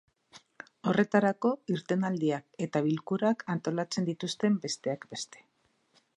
Horretarako, irtenaldiak eta bilkurak antolatzen dituzte, besteak beste.